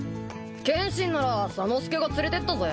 剣心なら左之助が連れてったぜ。